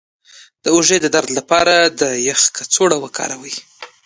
د اوږې د درد لپاره د یخ کڅوړه وکاروئ